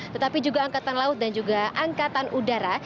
tetapi juga angkatan laut dan juga angkatan udara